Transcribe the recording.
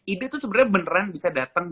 ide tuh sebenernya beneran bisa dateng